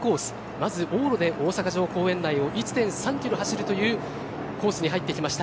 まず往路で大阪城公園内を１．３キロ走るというコースに入ってきました。